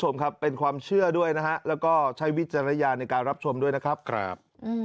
นะแค่นี้แหละแล้วเจอกัน